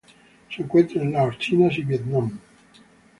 Se encuentra en Laos, China y Vietnam.